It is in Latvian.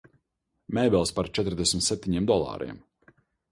Mēbeles par četrdesmit septiņiem dolāriem.